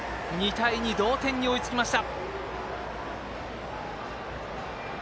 ２対２同点に追いつきました。